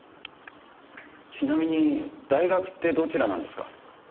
ちなみに大学ってどちらなんですか？